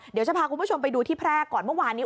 เดี๋ยวจะพาคุณผู้ชมไปดูที่แพร่ก่อนเมื่อวานนี้